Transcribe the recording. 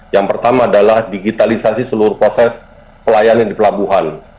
yang pertama adalah digitalisasi seluruh proses pelayanan di pelabuhan